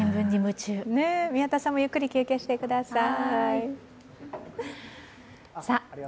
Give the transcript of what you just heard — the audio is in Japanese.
宮田さんもゆっくり休憩してください。